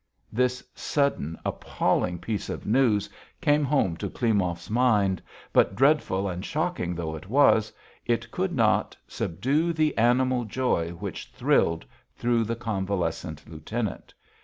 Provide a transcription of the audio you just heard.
This sudden appalling piece of news came home to Klimov's mind, but dreadful and shocking though it was it could not subdue the animal joy which thrilled through the convalescent lieutenant.